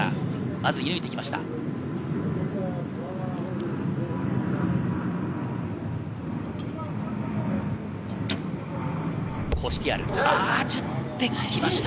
まず射抜いてきました。